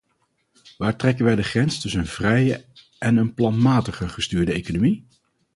Waar trekken wij de grens tussen een vrije en een planmatig gestuurde economie?